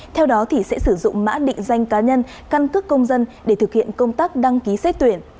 theo đó sẽ sử dụng mã định danh cá nhân căn cước công dân để thực hiện công tác đăng ký xét tuyển